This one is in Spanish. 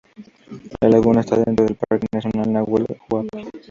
La laguna está dentro del parque nacional Nahuel Huapi.